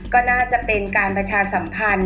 ก็น่าจะเป็นการประชาสัมพันธ์